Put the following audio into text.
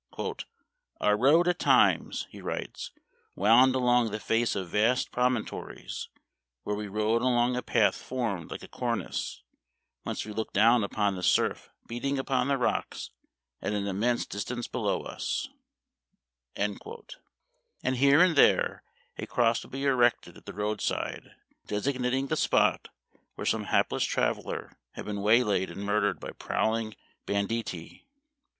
"Our road at times," he writes, " wound along the face of vast promon tories, where we rode along a path formed like a cornice, whence we looked down upon the surf beating upon the rocks at an immense distance below us ;" and here and there a 1 70 Memoir of Washington Irving. cross would be erected at the road side, desig nating the spot where some hapless traveler had been waylaid and murdered by prowling banditti.